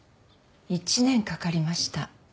１年かかりました。